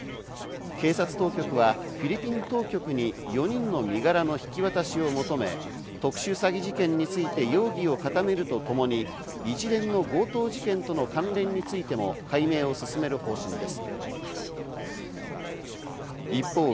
警察当局はフィリピン当局に４人の身柄の引き渡しを求め、特殊詐欺事件について容疑を固めるとともに一連の強盗事件との関連についても解明を進める方針です。